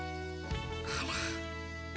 あら。